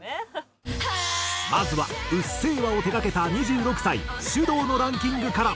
まずは『うっせぇわ』を手がけた２６歳ｓｙｕｄｏｕのランキングから。